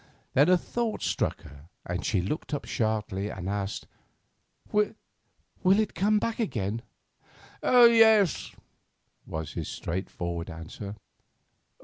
Then a thought struck her, and she looked up sharply and asked, "Will it come back again?" "Yes," was his straightforward answer.